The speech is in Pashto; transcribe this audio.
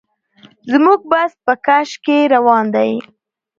زموږ بس په کش کې روان دی.